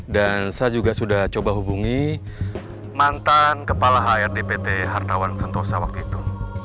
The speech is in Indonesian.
dan saya juga sudah coba hubungi mantan kepala hrdpt hartawan sentosa waktu itu